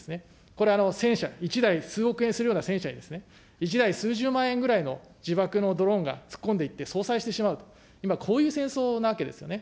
これは戦車、１台数億円するような戦車に、１台数十万円ぐらいの自爆のドローンが突っ込んでいって、相殺してしまうと、今、こういう戦争なわけですよね。